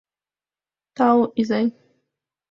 — Тау, изай!